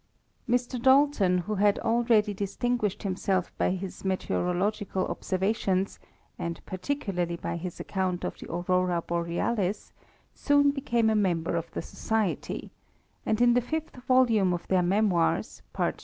Mr. Dalton, who had already distinguished himself by his meteoro logical observations, and particularly by his account of the Aurora Borealis, soon became a member of the society; and in the fifth volume of their Me moirs, part II.